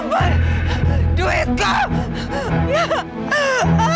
mana duit aku